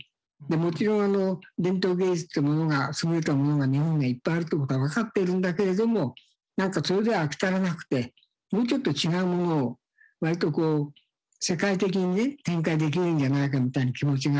もちろん伝統芸術ってものが優れたものが日本にはいっぱいあるということは分かっているんだけれどもなんかそれでは飽き足らなくてもうちょっと違うものをなんかこう世界的にね展開できるんじゃないかみたいな気持ちがあって。